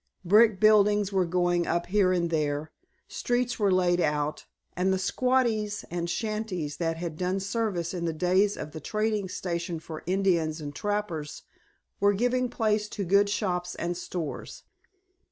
Brick buildings were going up here and there, streets were laid out, and the "squatties" and shanties that had done service in the days of the trading station for Indians and trappers were giving place to good shops and stores.